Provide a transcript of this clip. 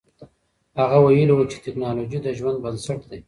هغه ویلي و چې تکنالوژي د ژوند بنسټ دی.